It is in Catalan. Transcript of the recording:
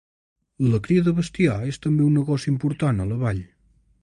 La cria de bestiar és també un negoci important a la vall.